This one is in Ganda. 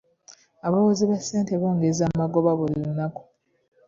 Abawozi ba ssente bongeza amagoba buli lunaku.